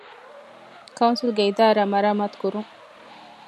ކައުންސިލްގެ އިދާރާ މަރާމާތުކުރުން